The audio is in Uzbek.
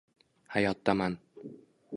Hayotdaman